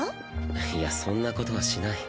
いやそんなことはしない。